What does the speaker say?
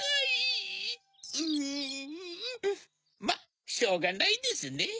まっしょうがないですね。